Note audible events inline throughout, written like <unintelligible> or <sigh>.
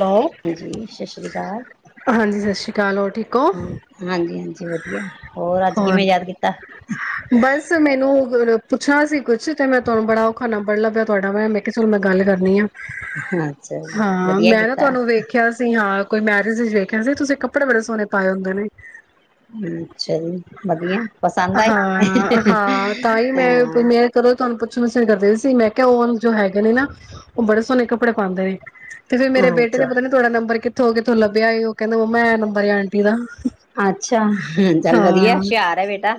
Hello. ਹਾਂਜੀ, ਸਤਿ ਸ੍ਰੀ ਅਕਾਲ। ਹਾਂਜੀ ਸਤਿ ਸ਼੍ਰੀ ਅਕਾਲ ਹੋਰ ਠੀਕ ਹੋ? ਹ ਹਾਂਜੀ, ਹਾਂਜੀ ਵਧੀਆ, ਹੋਰ ਅੱਜ ਕਿਵੇਂ ਯਾਦ ਕੀਤਾ? ਬਸ ਮੈਨੂੰ ਪੁੱਛਣਾ ਸੀ ਕੁੱਛ ਤੇ ਮੈਂ ਤੁਹਾਨੂੰ, ਬੜਾ ਔਖਾ ਨੰਬਰ ਲੱਭਿਆ ਤੁਹਾਡਾ ਮੈਂ। ਮੈਂ ਕਿਹਾ ਚਲੋ ਮੈਂ ਗੱਲ ਕਰਨੀ ਆ। ਹ ਅੱਛਾ ਜੀ, ਹਾਂ ਵਧੀਆ ਕੀ ਮੈਂ ਤੁਹਾਨੂੰ ਵੇਖਿਆ ਸੀ। ਹਾਂ, ਕੋਈ ਮੈਰਿਜ ਵਿੱਚ ਵੇਖਿਆ ਸੀ। ਤੁਸੀਂ ਕੱਪੜੇ ਬੜੇ ਸੋਹਣੇ ਪਾਏ ਹੁੰਦੇ ਨੇ। ਅੱਛਾ ਜੀ। ਵਧੀਆ ਪਸੰਦ ਆਏ ਹਾਂ ਹਾਂ ਤਾਂ ਹੀ ਹਾਂ ਮੈਂ ਮੈਂ ਕਰੋ ਤੁਹਾਨੂੰ ਪੁੱਛਣਾ ਸੀ ਤੋਹਾਡਾ ਦਿਲ ਸੀ, ਮੈਂ ਕਿਹਾ ਉਹ ਜੋ ਹੈਗੇ ਨਾ ਉਹ ਬੜੇ ਸੋਹਣੇ ਕੱਪੜੇ ਕੱਪੜੇ ਪਾਉਂਦੇ ਨੇ ਤੇ ਫਿਰ ਮੇਰੇ ਬੇਟੇ ਨੇ ਅੱਛਾ ਪਤਾ ਨੀ ਤੁਹਾਡਾ ਨੰਬਰ ਕਿਥੋਂ ਕਿਥੋਂ ਲੱਭਿਆ ਉਹ ਕਹਿੰਦਾ ਮੰਮਾ ਆ ਨੰਬਰ ਆਂਟੀ ਦਾ ਅੱਛਾ ਹ ਚੱਲ ਵਧੀਆ ਹਾਂ ਹੋਸ਼ੀਆਰ ਬੇਟਾ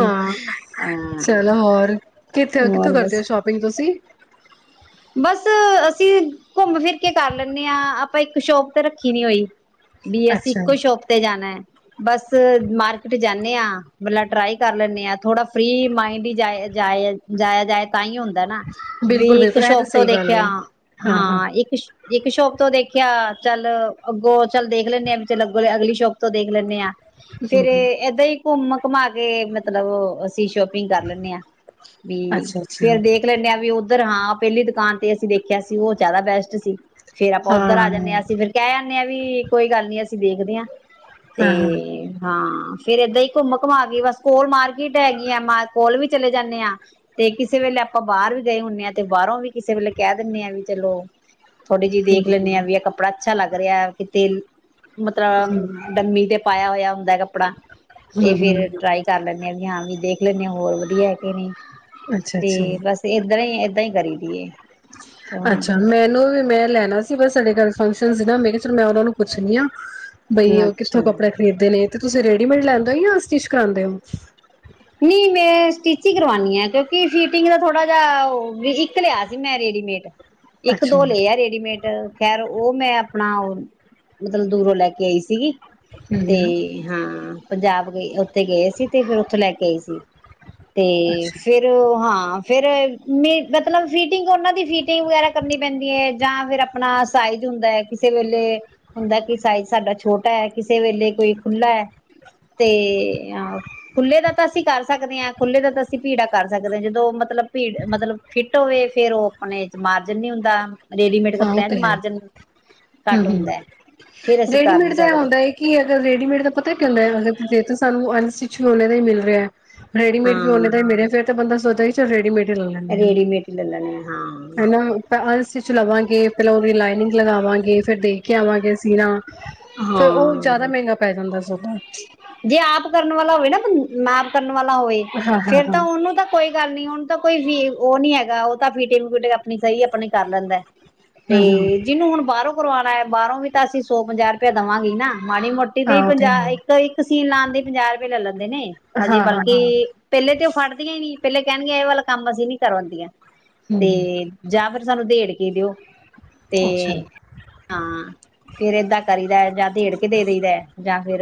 ਹਾਂ ਹਾਂ ਚਲੋ ਹੋਰ ਕਿੱਥੇ ਕਿੱਥੋਂ ਹੋਰ ਕਰਦੇ ਹੋ ਬਸ ਸ਼ੋਪਿੰਗ ਤੁਸੀਂ? ਬਸ ਅਸੀਂ ਘੁੰਮ ਫਿਰ ਕੇ ਕਰ ਲੈੇ ਹਾਂ ਆਪਾਂ ਇੱਕ ਸ਼ੋਪ ਤੇ ਰੱਖੀ ਨੀ ਹੋਈ ਬੀ ਐੱਸ ਅੱਛਾ। ਇੱਕੋ ਸ਼ੌਪ ਤੇ ਜਾਣਾ ਹੈ ਬਸ ਮਾਰਕੀਟ ਜਾਂਨਿਆ ਟਰਾਈ ਕਰ ਲੈਂਦੇ ਹਾਂ ਥੋੜਾ ਫ੍ਰੀ ਮਾਈੰਡ ਹੀ ਜਾਇਆ ਜਾਏ ਤਾਂ ਹੀ ਹੁੰਦਾ ਨਾ ਬਿਲਕੁਲ ਵੇਖ ਬਿਲਕੁਲ ਇਹ ਤਾਂ ਸ਼ੋਪ ਤੋਂ ਸਹੀ ਗੱਲ ਦੇਖਿਆ ਏ। ਹਾਂ ਇੱਕ ਇੱਕ ਸ਼ੋਪ ਤੋਂ ਦੇਖਿਆ ਚੱਲ ਅੱਗੋਂ ਚੱਲ ਦੇਖ ਲੈਂਦੇ ਚੱਲ ਅੱਗੋਂ ਅਗਲੀ ਸ਼ੋਪ ਤੋਂ ਦੇਖ ਲੈਂਦੇ ਹਾਂ ਫੇਰ ਹੂੰ ਏ ਏਦਾਂ ਹੀ ਘੁੰਮ ਘੁਮਾ ਕੇ ਮਤਲਬ ਅਸੀਂ ਸ਼ੋਪਿੰਗ ਕਰ ਲੈਦੇ ਹਾਂ ਵੀ ਅੱਛਾ ਅੱਛਾ ਫੇਰ ਦੇਖ ਲੈਨੇ ਆ ਵੀ ਉਹ ਉਧਰਾਂ ਆਪ ਪਹਿਲੀ ਦੁਕਾਨ ਤੇ ਅਸੀਂ ਦੇਖਿਆ ਸੀ ਉਹ ਜ਼ਿਆਦਾ ਬੈਸਟ ਸੀ। ਫੇਰ ਆਪਾਂ ਉੱਧਰ ਆ ਜਾਂਦੇ ਹਾਂ ਅਸੀ ਫਿਰ ਕਹਿ ਕਹਿਨੇ ਵੀ ਕੋਈ ਗੱਲ ਨੀ ਅਸੀਂ ਦੇਖਦੇ ਹਾਂ ਤੇ ਹਾਂ ਹਾਂ। ਹਾਂ ਫੇਰ ਏਦਾਂ ਹੀ ਘੁੰਮ ਘੁਮਾ ਗਈ ਬਸ ਕੋਲ ਮਾਰਕੀਟ ਹੈਗੀ ਆ ਮ ਕੋਲ ਵੀ ਚਲੇ ਜਾਂਦੇ ਆਾਂ ਤੇ ਕਿਸੇ ਵੇਲੇ ਆਪਾਂ ਬਾਹਰ ਵੀ ਗਏ ਹੁੰਦੇ ਆਾਂ ਤੇ ਬਾਹਰੋਂ ਵੀ ਕਿਸੇ ਵੇਲੇ ਕਹਿ ਦਿੰਦੇ ਆ ਵੀ ਚਲੋ ਥੋੜੇ ਜਿ ਹੂੰ ਦੇਖ ਲੈਂਦੇ ਹਾਂ ਹੂੰ ਵੀ ਕੱਪੜਾ ਅੱਛਾ ਲੱਗ ਦਰਿਆਵ ਦੇ ਤਿਲ਼ ਮਤਲਬ ਡੰਮੀ ਤੇ ਪਾਇਆ ਹੋਇਆ ਪਾਉਂਦਾ ਕੱਪੜਾ ਤੇ ਹੂੰ ਫੇਰ ਹੂੰ ਟਰਾਈ ਕਰ ਲੈਂਦੇ ਆਾ ਵੀ ਹਾਂ ਵੀ ਦੇਖ ਲੈਂਨੇ ਹੋਰ ਵਧੀਆ ਕ ਨਹੀਂ ਅੱਛਾ ਅੱਛਾ। ਤੇ ਬਸ ਇਏਧਰ ਕਰੀ ਦੀਏ ਅੱਛਾ ਮੈਨੂੰ ਵੀ ਮੈਂ ਲੈਣਾ ਸੀ ਬਸ ਤਾਡੇ ਘਰ ਫੰਕਸ਼ਨ ਸੀ ਨਾ ਮੈਂ ਕਿਹਾ ਉਹਨਾ ਨੂੰ ਪੁੱਛਣੀ ਆ ਬਈ ਉਹ ਅੱਛਾ। ਕਿੱਥੋਂ ਕੱਪੜੇ ਖਰੀਦਦੇ ਨੇ ਤੁਸੀਂ ਰੈਡੀਮੇਡ ਲੈਂਦੇ ਹੋ ਜਾਂ ਸਟਿਚ ਕਰਾਦੇ ਹੋ। ਨਹੀਂ ਮੈਂ ਸਟਿਚ ਹੀ ਕਰਵਾਉਣੀ ਆ ਕਿਉਂਕਿ ਫਿਟਿੰਗ ਦਾ ਥੋੜਾ ਜਿਹਾ ਓ ਇੱਕ ਲਿਆ ਸੀ ਮੈਂ ਰੇਡੀਮੇਡ। ਇੱਕ ਅੱਛਾ ਦੋ ਲਏ ਹੂੰ ਆ ਰੇਡੀਮੇਡ ਖੈਰ ਉਹ ਮੈਂ ਆਪਣਾ ਉਹ, ਮਤਲਬ ਦੂਰੋਂ ਲੈ ਕੇ ਆਈ ਸੀਗੀ। ਤੇ ਹੂੰ ਹਾਂ ਪੰਜਾਬ ਗਏ, ਉੱਥੇ ਗਏ ਸੀ ਤੇ ਫਿਰ ਉੱਥੇ ਲੈ ਕੇ ਗਈ ਸੀ। ਤੇ ਅੱਛਾ। ਫ਼ਿਰ ਹਾਂ। ਫ਼ੇਰ ਨਈ ਮਤਲਬ ਫਿਟਿੰਗ ਉਹਨਾਂ ਦੀ ਫਿ ਕਿਗ ਵਗੈਰਾ ਕਰਨੀ ਪੈਂਦੀ ਏ। ਜਾਂ ਫੇਰ ਆਪਣਾ ਸਾਇਜ਼ ਹੁੰਦਾ ਐ, ਕਿਸੇ ਵੇਲੇ ਹੁੰਦਾ ਕਿ ਸਾਈਜ਼ ਸਾਡਾ ਛੋਟਾ ਐ, ਕਿਸੇ ਵੇਲੇ ਕੋਈ ਖੁਲਾ ਐ ਤੇ ਖੁੱਲੇ ਦਾ ਤਾਂ ਅਸੀਂ ਕਰ ਸਕਦੇ ਆ, ਖੁੱਲੇ ਦਾ ਤਾਂ ਅਸੀਂ ਭੀੜਾ ਕਰ ਸਕਦੇ ਆ, ਜਦੋਂ ਮਤਲਬ ਭੀੜ ਮਤਲਬ ਫਿੱਟ ਹੋਵੇ ਫੇਰ ਉਹ ਆਪਣੇ ਚ ਮਾਰਜਨ ਨੀ ਹੁੰਦਾ। ਰੇਡੀਮੇਡ ਹਾਂ ਉਹ ਕੱਪੜਿਆਂ ਚ ਤੇ ਹੈ ਮਾਰਜਨ ਘੱਟ ਹੂੰ ਹ ਹੁੰਦਾ ਹੈ ਫੇਰ ਅਸੀਂ ਕਰ ਨੀ ਰੇਡੀਮੇਡ ਦਾ ਇਹ ਸਕਦੇ ਹੁੰਦਾ ਹੈ ਕਿ ਅਗਰ ਰੇਡੀਮੇਡ ਦਾ ਪਤਾ ਕੀ ਹੁੰਦਾਗਰੇ ਸਾਨੂੰ ਕੁਛਝਨੇ ਦਾ ਹੀ ਮਿਲ ਰਿਹਾ <unintelligible> ਰੇਡੀਮੇਡ ਵੀ ਉਹਨਾਂ ਹਾਂ ਦੇ ਮਿਲਿਆ ਫੇਰ ਤੇ ਬੰਦਾ ਸੋਚਦਾ ਹੀ ਚੱਲ ਰੇਡੀਮੇਡ <inaudible> ਰੇਡੀਮੇਡ ਹੀ ਲੈ ਲੈਣੇ ਹਾਂ ਚ ਲਵਾਂਗੇ, ਪਹਿਲਾਂ ਉਹਦੀ ਲਾਈਨਿੰਗ ਲਗਾਵਾਂਗੇ, ਫ਼ੇਰ ਦੇਖ ਕੇ ਆਵਾਂਗੇ ਅਸੀਂ ਹਾਂ ਪੈ ਜਾਂਦਾ ਸਗੋਂ ਜੇ ਆਪ ਕਰਨ ਵਾਲ਼ਾ ਹੋਵੇ ਨਾ ਬੰ ਮਾਰਕਰ ਕਰਨ ਵਾਲਾ ਹੋਵੇ, ਹਾਂ ਹਾਂ ਫੇਰ ਤਾਂ ਹਾਂ ਉਹਨੂੰ ਤਾਂ ਕੋਈ ਗੱਲ ਨਹੀਂ, ਉਹਨੂੰ ਤਾਂ ਕੋਈ ਫੀ ਉਹ ਨੀ ਹੈਗਾ, ਉਹ ਤਾਂ ਫੀਟਿੰਗ ਫੂਟਿੰਗ ਆਪਣੀ ਸਈ ਆਪਣੀ ਕਰ ਲੈਂਦਾ। ਤੇ ਹੂੰ ਹੂੰ ਜਿਹਨੂੰ ਹੁਣ ਬਾਹਰੋਂ ਕਰਵਾਉਣਾ ਐ, ਬਾਹਰੋਂ ਵੀ ਤਾਂ ਅਸੀਂ ਸੌ ਪੰਜਾਹ ਰੁਪਇਆ ਦਵਾਂਗੀ ਨਾ। ਮਾੜੀ ਮੋਟੀ ਦੇ ਹਾਂ ਉਹ ਤੇ ਪੰਜਾਹ, ਹੈ ਇੱਕ ਇੱਕ ਸੀਨ ਲਾਉਣ ਦੇ ਪੰਜਾਹ ਰੁਪਏ ਲੈ ਲੈਂਦੇ ਨੇ, ਹਾਂ ਹਜੇ ਹਾਂ ਬਲਕਿ ਹਾਂ ਪਹਿਲੇ ਤੇ ਉਹ ਫੜਦੀਆਂ ਈ ਨੀ ਪਹਿਲੇ ਕਹਿਣਗੀਆ ਇਹ ਵਾਲਾ ਕੰਮ ਅਸੀਂ ਨੀ ਕਰਾਂਦੀਆ। ਹੂੰ ਤੇ ਹੂੰ ਜਾਂ ਫੇਰ ਸਾਨੂੰ ਦੇੜ ਇਹ ਦਿਓ ਤੇ, ਅੱਛਾ ਹਾਂ ਫੇਰ ਏਦਾਂ ਕਰੀਦਾ ਐ ਜਾਂ ਦੇੜ ਕੇ ਦੇ ਦੇਈਦਾ ਐ, ਜਾਂ ਫੇਰ,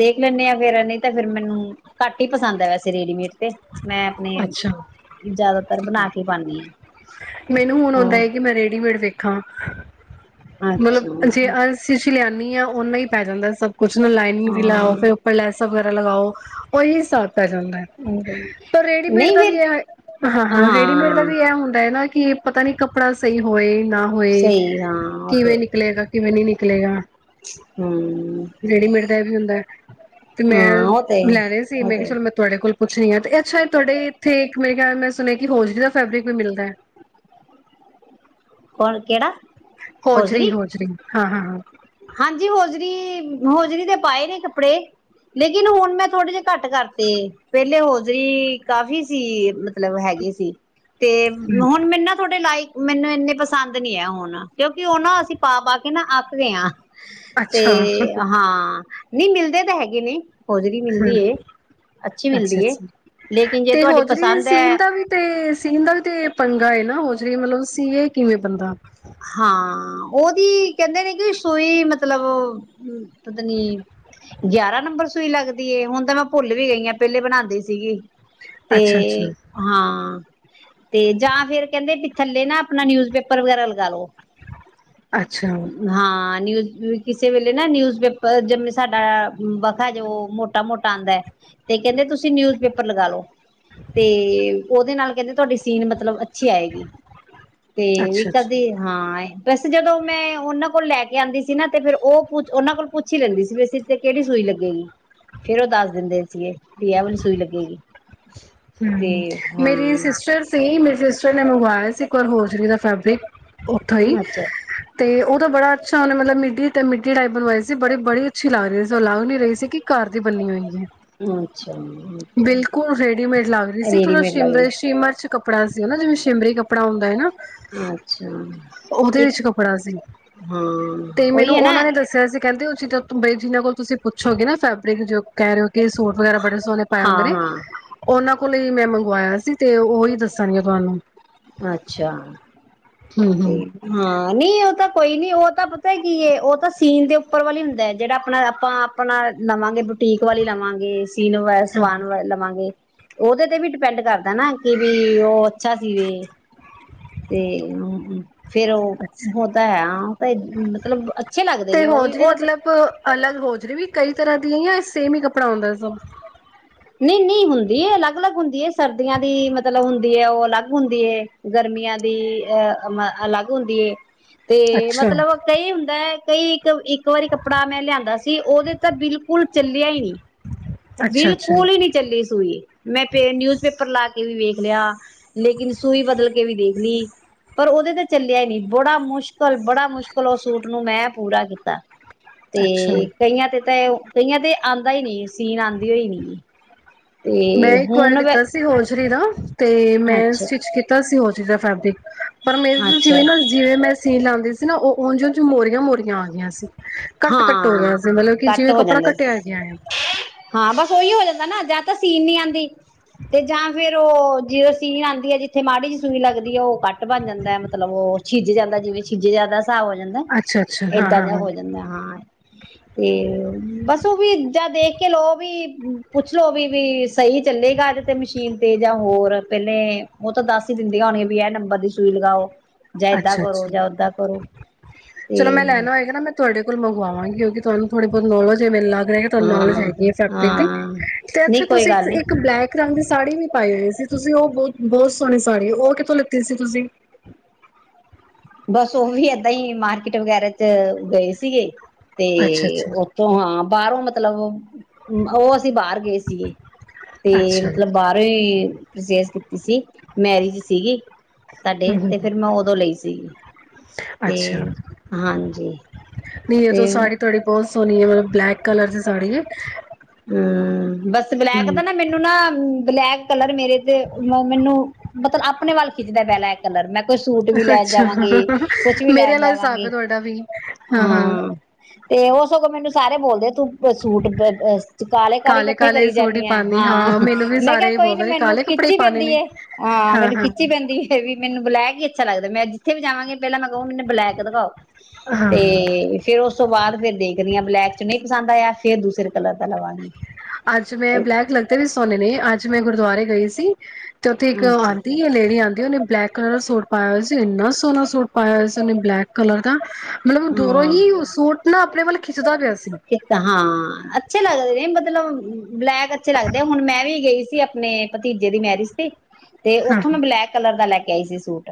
ਦੇਖ ਲੈਂਨੇ ਆ ਫੇਰ ਨਹੀਂ ਤਾਂ ਫੇਰ ਮੈਨੂੰ ਘੱਟ ਹੀ ਪਸੰਦ ਹੈ, ਵੈਸੇ ਰੇਡੀਮੇਡ। ਤੇ ਮੈਂ ਆਪਣੇ ਅੱਛਾ ਜ਼ਿਆਦਾਤਰ ਬਣਾ ਕੇ ਪਾਉਂਦੀ ਮੈਨੂੰ ਹੁਣ ਆਉਂਦਾ ਹਾਂ। ਹੈ ਕਿ ਮੈਂ ਰੇਡੀਮੇਡ ਵੇਖਾਂ। ਮਤਲਬ ਅੱਛਾ ਜੇ ਅਸੀ ਸ਼ਿਲਿਆਨੀ ਆ, ਉਹਨਾ ਹੀ ਪੈ ਜਾਂਦਾ ਸਭ ਕੁਛ ਨਾ ਲਾਈਨਿੰਗ ਵੀ ਲਓ ਹਾਂ ਫਿਰ ਓਪਰ ਲੌਸ ਲਗਾਓ ਉਹੀ ਹਿਸਾਬ ਪੈ ਜਾਂਦਾ ਹੈ ਪਰ ਰੇਡੀਮੇਡ ਨਹੀਂ ਦਾ ਵੀ ਫਿਰ ਇਹ, ਹਾਂ-ਹਾਂ ਰੇਡੀਮੇਡ ਦਾ ਹਾਂ ਵੀ ਇਹ ਹੁੰਦਾ ਹੈ ਨਾ ਕੀ ਪਤਾ ਨੀ ਕੱਪੜਾ ਸਹੀ ਹੋਏ ਨਾ ਹੋਏ, ਸਹੀ ਹਾਂ ਉਹ ਤੇ ਕਿਵੇਂ ਨਿਕਲੇਗਾ ਕਿਵੇਂ ਨੀ ਨਿਕ ਲ ਨਿਕਲੇਗਾ ਹਮ ਰੇੜ ਮੇਟ ਦਾ ਵੀ ਹੁੰਦਾ ਤੇ ਮੈਂ ਹਾਂ ਉਹ ਤੇ ਲੈ ਰਹਾ ਸੀ ਉਹ ਮੈਂ ਕਿਹਾ ਤੇ ਚਲੋ ਮੈਂ ਤੁਹਾਡੇ ਕੋਲ ਕੁਛ ਨਹੀਂ ਹੈ ਤੇ ਅੱਛਾ ਇਹ ਤੁਹਾਡੇ ਇੱਥੇ ਇੱਕ ਮੇਰੇ ਖਿਆ ਮੈਂ ਸੁਣਿਆ ਕਿ ਹੋਜਲੀ ਦਾ ਫੈਬਰਿਕ ਵੀ ਮਿਲਦਾ ਹੈ ਕੋਣ ਕਿਹੜਾ ਹੋਜਰੀ ਹੋਜਰੀ ਹਾਂ ਹਾਂ ਹਾਂ ਹਾਂਜੀ ਹਜਰੀ ਹੌਜਰੀ ਤੇ ਪਾਏ ਨੇ ਕੱਪੜੇ ਲੇਕਿਨ ਹੁਣ ਮੈਂ ਥੋੜੇ ਜਿਹੇ ਘੱਟ ਕਰਤੇ ਪਹਿਲੇ ਹੌਜ਼ਰੀ ਕਾਫ਼ੀ ਸੀ ਮਤਲਬ ਹੈਗੇ ਸੀ ਤੇ ਹੁਣ ਮੈਰੇੂੰ ਨਾ ਤੁਹਾਡੇ ਲਾਇਕ ਮੈਨੂੰ ਇੰਨੇ ਪਸੰਦ ਨੀ ਹੈ ਹੁਣ ਕਿਉਂਕਿ ਉਹ ਨਾ ਅਸੀਂ ਪਾ ਪਾ ਕੇ ਨਾ ਅੱਕ ਗਏ ਹਾਂ ਤੇ ਅੱਛਾ ਹਾਂ ਨਹੀਂ ਮਿਲਦੇ ਤਾਂ ਹੈਗੇ ਨਹੀਂ ਹੋਜਰੀ ਮਿਲਦੀ ਅੱਛੀ ਅੱਛਾ ਮਿਲਦੀ ਅੱਛਾ ਲੇਕਿਨ ਜੇ ਤੇ ਤੁਹਾਡੀ ਹੋਜਰੀ ਪਸੰਦ ਸੀਨ ਹੈ ਦਾ ਵੀ ਤੇ ਸੀਨ ਦਾ ਵੀ ਤੇ ਪੰਗਾ ਏ ਨਾ ਉਹ ਜਹ ਮਤਲਬ ਸੀਏ ਕਿਵੇਂ ਬੰਦਾ ਹਾਂ ਉਹਦੀ ਕਹਿੰਦੇ ਨੇ ਕਿ ਸੂਈ ਮਤਲਬ ਪਤਾ ਨ ਗਿਆਰਾਂ ਨੰਬਰ ਸੂਈ ਲੱਗਦੀਏ ਹੁਣ ਤਾਂ ਮੈਂ ਭੁੱਲ ਵੀ ਗਈ ਹਾਂ ਪਹਿਲੇ ਬਣਾਉਂਦੀ ਸੀਗੀ ਤੇ ਅੱਛਾ ਅੱਛਾ ਹਾਂ ਤੇ ਜਾਂ ਫੇਰ ਕਹਿੰਦੇ ਵੀ ਥੱਲੇ ਨਾ ਆਪਣਾ ਨਿਊਜ਼ਪੇਪਰ ਵਗੈਰਾ ਲਾਲੋ ਅੱਛਾ ਹਾਂ ਨਿਜ ਕਿਸੇ ਵੇਲੇ ਨਾ ਨਿਊਜ਼ ਪੇਪਰ ਜਿਵੇਂ ਸਾਡਾ ਵਖਾ ਜੋ ਮੋਟਾ ਮੋਟਾ ਆਉਂਦਾ ਹੈ ਤੇ ਕਹਿੰਦੇ ਤੁਸੀਂ ਨਿਊਜ ਪੇਪਰ ਲਗਾਲੋ ਤੇ ਉਹਦੇ ਨਾਲ ਕਹਿੰਦੇ ਤੁਹਾਡੀ ਸੀਨ ਮਤਲਬ ਅੱਛੀ ਆਏਗੀ ਤੇ ਵੀ ਅੱਛਾ ਅੱਛਾ ਕਦੀ ਹਾਂ ਬਸ ਜਦੋਂ ਮੈਂ ਉਹਨਾਂ ਕੋਲ ਲੈ ਕੇ ਆਉਂਦੀ ਸੀ ਨਾ ਤੇ ਫੇਰ ਉਹ ਪੁ ਉਹਨਾਂ ਕੋਲ ਪੁੱਛ ਹੀ ਲੈਂਦੀ ਸੀ ਵੀ ਤੇ ਕਿਹੜੀ ਸੂਈ ਲੱਗੇਗੀ ਫੇਰ ਉਹ ਦੱਸ ਦਿੰਦੇ ਸੀਗੇ ਵੀ ਇਹ ਵਾਲੀ ਸੂਈ ਲੱਗੇਗੀ ਤੇ ਹਮ ਮੇਰੀ ਹਾਂ ਸਿਸਟਰ ਸੀ ਮੇਰੇ ਸਿਸਟਰ ਨੇ ਮੰਗਵਾਇਆ ਸੀ ਇੱਕ ਹੋਰ ਚ ਦਾ ਫੈਬਰਿਕ ਉੱਥੋਂ ਹੀ ਅੱਛਾ ਤੇ ਉਹ ਬੜਾ ਅੱਛਾ ਉਹਨ ਮਤਲਬ ਮਿੱਟੀ ਤੇ ਮਿੱਟੀ ਟਾਈਪ ਬਣਵਾਈ ਸੀ ਬੜੀੜੀ ਅੱਛੀ ਲੱਗਹੀ ਸੀ ਉਹ ਅਲਗ ਨੀ ਰਹੀ ਸੀ ਕਿ ਘਰ ਦੀ ਬਣੀਨੀ ਹੋਈ ਹੈ ਅ ਅੱਛਾ ਬਿਲਕੁਲ ਰੇਡੀਮੇਡ ਲੱਗ ਰਹੀ ਸੀ ਥੋੜ੍ਹਾ ਰੇਡੀਮੇਡ ਲੱਗਦੇ ਸ਼ਿਮਰ ਸ਼ਿਮਰ ਚ ਕੱਪੜਾ ਸੀਗਾਾ ਜਿਵੇਂ ਸ਼ਿਮਰੀ ਕੱਪੜਾ ਹੁੰਦਾ ਹੈ ਅੱਛਾ ਉਹਦੇ ਵਿੱਚ ਇੱਕ ਕੱਪੜਾ ਸੀ ਹਾਂ ਤੇ ਉਹੀ ਮੈਨੂੰ ਹੈ ਨਾ ਉਹਨਾਂ ਨੇ ਦੱਸਿਆ ਸੀ ਕਹਿੰਦੇ ਬ ਜਿਹਨਾਂ ਕੋਲ ਤੁਸੀਂ ਪੁੱਛੋਗੇ ਨਾ ਫੈਬਰਿਕ ਜੋ ਕਹਿ ਰਹੇ ਹੋ ਕਿ ਸੂਟ ਵਗੈਰਾ ਬੜੇ ਸੋ ਪਾਇਆ ਹਾਂ ਹੁੰਦੇ ਨੇ ਉਹਨਾਂ ਲਈ ਮੈਂ ਮੰਗਵਾਇਆ ਸੀ ਤੇ ਉਹੀ ਦੱਸਾਂਣੀਆਂ ਤੁਹਾਨੂੰ ਅੱਛਾ ਹੂੰ ਤੇ ਹੂੰ ਹਾਂ ਨਹੀਂ ਉਹ ਤਾਂ ਕੋਈ ਨੀ ਉਹ ਤਾਂ ਪਤਾ ਹੈ ਕੀ ਉਹ ਤਾਂ ਸੀਨ ਦੇ ਉੱਪਰ ਵਾਲ ਹੀ ਹੁੰਦਾ ਹੈ ਜਿਹੜਾ ਆਪਣਾ ਆਪਾਂ ਆਪਣਾ ਲਵਾਂਗੇ ਬੁਟੀਕ ਵਾਲੀ ਲਵਾਂਗੇ ਚਨ ਸਾਨ ਲਵਾਂਗੇ ਉਹਦੇ ਤੇ ਵੀ ਡਿਪੈਂਡ ਕਰਦਾ ਨਾ ਕਿ ਵੀ ਉਹ ਅੱਛਾ ਸੀਵੇ ਤੇ ਫੇਰ ਅੱਛਾ ਉਹ ਉਹ ਤਾਂ ਹੈ ਤਾਂ ਮਤਲਬ ਅੱਛੇ ਲੱਗਦੇ ਤੇ ਨੇ ਉਹ ਵੀ ਹੋਜਰੀ ਉਹ ਮਤਲਬ ਅਲੱਗ ਹੋਜਰੀ ਵੀ ਕਈ ਤਰ੍ਹਾਂ ਦੀ ਸੇਮ ਹੀ ਕੱਪੜਾ ਹਉਦਾ ਸਾਨ ਨਹੀਂ ਨਹੀਂ ਹੁੰਦੀ ਅਲੱਗ ਅਲੱਗ ਹੁੰਦੀ ਸਰਦੀਆਂ ਦੀ ਹੈ ਉਹ ਅਲੱਗ ਹੁੰਦੀ ਹੈ ਗਰਮੀਆਂ ਦੀ ਅਹ ਅਲੱਗ ਹੁੰਦੀ ਤੇ ਅੱਛਾ ਮਤਲਬ ਕਈ ਹੁੰਦਾ ਹੈ ਕਈ ਇੱਕ ਇੱਕ ਵਾਰੀ ਕੱਪੜਾ ਮੈਂ ਲਿਆਂਦਾ ਸੀ ਉਹਦੇ ਤਾਂ ਬਿਲਕੁਲ ਚੱਲਿਆ ਹੀ ਨਹੀਂ ਅੱਛਾ ਅੱਛਾ ਬਿਲਕੁਲ ਹੀ ਨੀ ਚੱਲੀ ਸੂਈ ਮੈਂ ਨਿਊਜ਼ ਪੇਪਰ ਲਾ ਕੇ ਵੀ ਵੇਖ ਲਿਆ ਲੇਕਿਨ ਸੂਈ ਬਦਲ ਕੇ ਵੀ ਦੇਖ ਲਈ ਪਰ ਉਹਦੇ ਤੇ ਚੱਲਿਆ ਹੀ ਨਹੀਂ ਬੜਾ ਮੁਸ਼ਕਿਲ ਕਲ ਬੜਾ ਮੁਸ਼ਕਿਲ ਉਹ ਸੂਟ ਨੂੰ ਮੈਂ ਪੂਰਾ ਕੀਤਾ ਤੇ ਅੱਛਾ ਕਈਆਂ ਤੇ ਤਾਂ ਕਈਆਂ ਤੇ ਆਂਦਾ ਹੀ ਨਹੀਂ ਸੀਨ ਆਉਂਦੀ ਹੋਈ ਨੀ ਮੈਂ ਇੱਕ ਵਾਰ ਲਿੱਤਾ ਸੀ ਹਜਰੀ ਦਾ ਤੇ ਮੈਂ ਅੱਛਾ ਸਟਿਚ ਕੀਤਾ ਸੀ ਉਹ ਚੀਜ਼ ਦਾ ਫਾਇਦੇ ਪਰ ਮੇਰੇ ਤਾਂ ਅੱਛਾ ਜਿਵੇਂ ਨਾ ਜਿਵੇਂ ਮੈਂ ਸੀਨ ਲਾਉਂਦੀ ਸੀ ਸੀ ਨਾ ਉਹ ਉਝ ਉਂਝ ਮੋਰੀਆਂ ਮੋਰੀਆਂ ਆ ਗਈਆਂ ਸੀ ਕੱਟ ਕੱਟੋ ਹਾਂ ਗਿਆ ਮਤਲਬ ਕਿ ਕੱਟ ਜਿਵੇਂ ਹੋ ਕੱਪੜਾ ਕੱਟਿਆ ਗਿਆ ਆ ਥੋ ਹੀ ਹੋ ਜਾਂਦਾ ਨਾ ਜਾਂਦ ਤਾਂ ਸ ਸੀਨ ਨੀ ਆਉਂਦੀ ਤੇ ਜਾਂ ਫਿਰ ਫ ਉਹ ਜਦੋਂ ਸੀਨ ਆਂਦੀ ਹੈ ਜਿੱਥੇ ਮਾੜੀ ਚ ਸੂਈ ਲੱਗਦੀ ਹੈ ਉਹ ਕੱਟ ਬਣ ਜਾਂਦਾ ਮਤਲਬ ਉਹ ਛਿੱਜ ਜਾਂਦਾ ਜਿਵੇਂ ਛਿੱਜ ਜਾਂਦਾ ਹਿਸਾਬ ਹੋ ਜਾਂਦਾ ਅੱਛਾ ਅੱਛਾ ਹਾਂ ਏਦਾਂ ਹਾਂ ਦਾ ਹਾਂ ਹੋ ਹਾਂ ਤੇ ਬਸ ਵੀ ਜਾਂ ਦੇਖ ਕੇ ਲਓ ਵੀ ਪੁੱਛ ਲੋੋ ਵੀ ਵੀ ਸਹੀ ਚੱਲੇਗਾ। ਮਸ਼ੀਨ ਤੇ ਜਾਂ ਹੋਰ ਪਹਿਲੇ ਉਹ ਤਾਂ ਦੱਸ ਹੀ ਦਿੰਦੀਆਂ ਹੋਣੀਆਂ ਵੀ ਇਹ ਨੰਬਰ ਦੀ ਸੂਈ ਲਗਾਓ। ਜਾ ਇਦਾ ਅੱਛਾ ਕਰੋ ਅੱਛਾ ਜ ਓਦਾ ਕਰੋ। ਤੇ ਚਲੋ ਮੈਂ ਲੈਣਾ ਹੋਏਗਾ ਨਾ ਮੈਂ ਤੂੰ <unintelligible> ਤੁਹਾਨੂੰ ਨੌਲੇਜ ਹਾਂ ਹੈਗੀ ਫੈਬਰਿਕ ਦੀ ਹਾਂ ਤੇ ਇੱਥੇ ਨਹੀਂ ਕੋਈ ਤੁਸੀਂ ਗੱਲ ਨਹੀਂ ਇੱਕ ਬਲੈਕ ਰੰਗ ਦੀ ਸਾੜੀ ਵੀ ਪਾਈ ਹੋਈ ਸੀ ਤੁਸੀਂ ਉਹ ਬਹੁਤ-ਬਹੁਤ ਸੋਹਣੀ ਸਾੜੀ ਉਹ ਕਿੱਥੋਂ ਲਿੱਤੀ ਸੀ ਤੁਸੀਂ। ਬਸ ਉਹ ਵੀ ਏਦਾਂ ਹੀ ਮਾਰਕੀਟ ਵਗੈਰਾ ਚ ਗਏ ਸੀਗੇ। ਤੇ ਅੱਛਾ ਅੱਛਾ ਉੱਥੋਂ ਹਾਂ ਬਾਹਰੋਂ ਮਤਲਬ ਕੋਈ ਬਦਲਾਅ ਨਹੀਂ ਮਤਲਬ ਕੋਈ ਬਦਲਾਅ ਨਹੀਂ ਉਹ ਅਸੀਂ ਬਾਹਰ ਗਏ ਸੀਗੇ ਤੇ ਅੱਛਾ ਮਤਲਬ ਬਾਹਰੋਂ ਹੀ ਵੱਡੇ ਬਦਲਾਅ ਹੁੰਦੇ ਹਨ ਤਸੇਜ਼ ਕੀਤੀ ਸੀ। ਮੈਰਿਜ ਸੀਗੀ ਸਾਡੇ ਹੂੰ ਹੂੰ ਤੇ ਫਿਰ ਮੈਂ ਉਦੋਂ ਲਈ ਸੀ। ਅੱਛਾ! ਨੀ ਇਹ ਤੋਂ ਤੇ ਸਾੜੀ ਤੁਹਾਡੀ ਬਹੁਤ ਸੋਹਣੀ ਹੈ। ਤਬ ਬਲੈਕ ਕਲਰ ਦੀ ਸਾੜੀ ਹੈ। ਹਮ ਬਸ ਬਲੈਕ ਦਾ ਮੈਨੂੰ ਨਾ ਬਲੈਕ ਕਲਰ ਮੇਰੇ ਤੇ ਮੈਨੂੰ ਮਤਲਬ ਆਪਣੇ ਵੱਲ ਖਿੱਚਦਾ ਹੈ ਬਲੈਕ ਕਲਰ ਮੈਂ ਕੋਈ ਸੂਟ ਵੀ ਲੈ ਅੱਛਾ ਜਾਵਾਂਗੀ ਹ-ਹ-ਹ ਕੁਛ ਵੀ ਮੇਰੇ ਲੈਣ ਵਾਲਾ ਹਿਸਾਬ ਹੈ ਜਾਵਾਂਗੀ ਤੁਹਾਡਾ ਵੀ ਹਾਂ-ਹਾਂ। ਹਾਂ ਤੇ ਉਹ ਸਗੋਂ ਮੈਨੂੰ ਸਾਰੇ ਬੋਲਦੇ ਤੂੰ ਸੂਟ ਤੂੰ ਕਾਲੇ ਕਾਲੇ ਇਕੱਠੇ ਕਾਲੇ-ਕਾਲੇ ਕਰੀ ਸੂਟ ਈ ਜਾਂਦੀ ਆ ਪਾਨੀ ਹਾਂ ਮੈਨੂੰ ਵੀ ਮੈਂ ਕਿਹਾ ਸਾਰੇ ਈ ਕੋਈ ਨੀ ਬੋਲਦੇ ਨੇ ਮੈਨੂੰ ਕਾਲੇ ਕੱਪੜੇ ਈ ਖਿੱਚੀ ਪਾਨੇ ਨੇ। ਪੈਂਦੀ ਹੈ ਹਾਂ ਮੈਨੂੰ ਹਾਂ-ਹਾਂ, ਖਿੱਚੀ ਪੈਂਦੀ ਹੈ ਵੀ ਮੈਨੂੰ ਬਲੈਕ ਹੀ ਮੈੰ ਜਿਥੇ ਵੀ ਜਾਵਾਂਗੀ ਪੈਲ੍ਹਾ ਮੈੰ ਕ ਮੈਨੂੰ ਬਲੈਕ ਦਿਖਾਓ ਹਾਂ ਤੇ ਹਾਂ ਫੇਰ ਉਸ ਤੋਂ ਬਾਅਦ ਫਿਰ ਦੇਖਦੀ ਹਾਂ ਬਲੈਕ ਚ ਨਹੀਂ ਪਸੰਦ ਆਇਆ। ਤੇ ਦੂਸਰੇ ਕਲਰ। ਦਾ ਲਵਾਂਗੀ ਅੱਜ ਮੈਂ ਤੇ ਬਲੈਕ ਲੱਗਦੇ ਵੀ ਸੋਨੇ ਨੇ ਅੱਜ ਜਿਵੇ ਮੈਂ ਗੁਰਦੁਆਰੇ ਗਈ ਸੀ। ਚ ਉਥੇ ਇੱਕ ਅੱਛਾ ਆਉਂਦੀ ਹੈ ਲੇਡੀ ਆਂਦੀ ਉਹਨੇ ਬਲੈਕ ਕਲਰ ਦਾ ਸੂਟ ਪਾਇਆ ਹੋਇਆ ਸੀ ਇੰਨਾ ਸੋਹਣਾ ਸੂਟ ਪਾਇਆ ਹੋਇਆ ਸੀ ਉਹਨੇ ਬਲੈਕ ਕਲਰ ਦਾ। ਮਤਲਬ ਦੂਰੋਂ ਹਾਂ ਹੀ ਸੂਟ ਨਾ ਆਪਣੇ ਵੱਲ ਖਿੱਚਦਾ ਪਿਆ ਸੀ। ਚਲੋ ਮਮ ਬਲੈਕ ਅੱਛੇ ਲੱਗਦੇ ਹੁਣ ਮੈਂ ਵੀ ਗਈ ਸੀ ਤੇ ਆਪਣੇ ਭਤੀਜੇ ਦੀ ਮੈਰਿਜ ਤੇ। ਤੇ ਹਾਂ, ਉੱਥੋਂ ਮੈਂ ਬਲੈਕ ਕਲਰ ਦਾ ਲੈ ਕੇ ਗਈ ਸੀ ਸੂਟ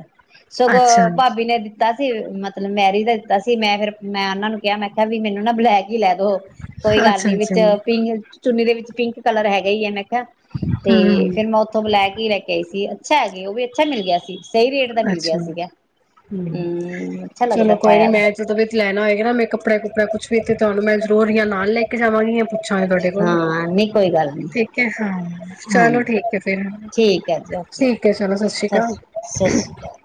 ਸਗੋਂ ਅੱਛਾ, ਭਾਬੀ ਨੇ ਦਿਤਾ ਦੀਤਾ ਸੀ ਮਤਲਬ ਮੈਰੀਜ ਦਾ ਤਾਂ ਸੀ ਮੈਂ ਫੇਰ ਮੈਂ ਔਨਾਂ ਨੂੰ ਕਿਆ ਮੈਂ ਕਿਆ ਵੀ ਮੈਨੂੰ ਨਾ ਬਲੈਕ ਈ ਲੈ ਦੋ ਕੋਈ ਗੱਲ ਨੀ ਵਿੱਚ ਅੱਛਾ-ਅੱਛਾ। ਪੀਚ ਚੁੰਨੀ ਦੇ ਵਿੱਚ ਪਿੰਕ ਕਲਰ ਹੈਗਾ ਈ ਏ। ਮੈ ਤੇ ਹੂੰ ਫੇਰ ਮੈਂ ਔਥੋਂ ਬਲੈਕ ਈ ਲੈ ਕੇ ਆਈ ਸੀ। ਅੱਛਾ ਹੈਗੇ ਉਹਵੀ ਅੱਛਾ ਮਿਲ ਗਿਆ ਸੀ। ਸਹੀ ਰੇਟ ਦਾ ਮਿਲ ਅੱਛਾ ਗਿਆ ਸੀਗਾ। ਹੂੰ ਹਮ, ਅੱਛਾ ਲੱਗਦਾ ਚਲੋ ਕੋਈ ਨੀ ਪ ਮੈਂ ਜਦੋਂ ਵੀ ਲੈਣਾ ਹੋਏਗਾ ਨਾ ਮੈਂ ਕੱਪੜਾ ਕੁੱਪੜਾ ਕੁਛ ਵੀ ਤਾਨੂੰ ਮੈਂ ਜ਼ਰੂਰ ਯਾ ਨਾਲ ਲੈ ਕੇ ਜਾਵਾਂਗੀ, ਯਾ ਪੁੱਛਾਂਗੇ ਤਾਡੇ ਕੋਲੋਂ। ਹਾਂ ਨਹੀਂ ਕੋਈ ਗੱਲ ਨੀ ਠੀਕ ਹੈ, ਹਾਂ ਚਲੋ ਹਾਂਜੀ ਠੀਕ ਹੈ ਫੇਰ ਠੀਕ ਠੀਕ ਹੈ ਚਲੋ ਸਤ ਸ਼੍ਰੀ ਕਾਲ। ਸਤ ਸ਼੍ਰੀ ਕਾਲ।